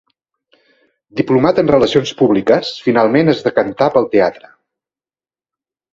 Diplomat en relacions públiques, finalment es decantà pel teatre.